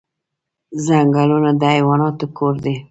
ځنګلونه د حیواناتو کور دی